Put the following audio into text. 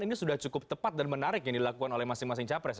ini sudah cukup tepat dan menarik yang dilakukan oleh masing masing capres